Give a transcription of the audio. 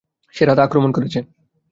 সে রাতে আক্রমণ করেছে।